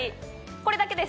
これだけです。